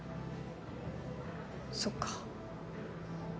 そっか。